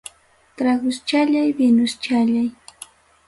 Traguschallay, vinuschallay.